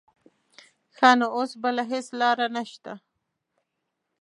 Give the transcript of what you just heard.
ښه نو اوس بله هېڅ لاره نه شته.